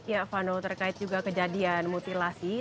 ya vano terkait juga kejadian mutilasi